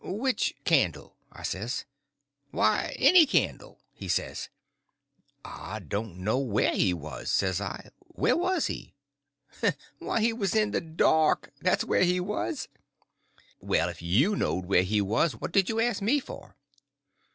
"Which candle?" I says. "Why, any candle," he says. "I don't know where he was," says I; "where was he?" "Why, he was in the dark! That's where he was!" "Well, if you knowed where he was, what did you ask me for?"